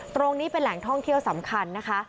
ตรงนี้เป็นแหล่งท่องเที่ยวสำคัญนะคะ